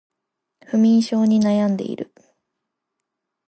不眠症で悩んでいる